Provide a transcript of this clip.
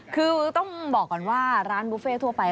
คือต้องบอกก่อนว่าร้านบุฟเฟ่ทั่วไป